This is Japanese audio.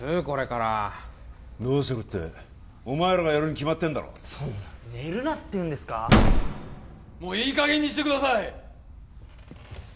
これからどうするってお前らがやるに決まってんだろそんな寝るなっていうんですかもういいかげんにしてください！